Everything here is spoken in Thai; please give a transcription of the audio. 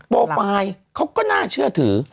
โปรไฟล์เขาก็น่าเชื่อถือ